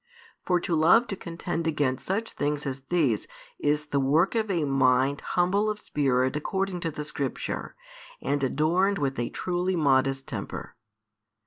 For to love to contend against such things as these is the work of a mind humble of spirit according to the Scripture, and adorned with a truly modest temper.